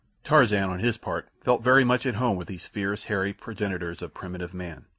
Tarzan on his part felt very much at home with these fierce, hairy progenitors of primitive man.